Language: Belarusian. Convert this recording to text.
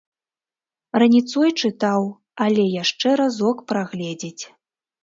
Раніцой чытаў, але яшчэ разок прагледзець.